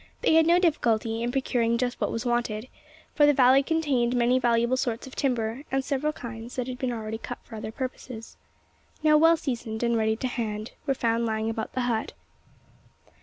They had no difficulty in procuring just what was wanted: for the valley contained many valuable sorts of timber; and several kinds that had been already cut for other purposes, now well seasoned and ready to hand, were found lying about the hut.